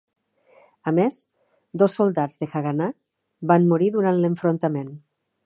A més, dos soldats de la Haganah van morir durant l'enfrontament.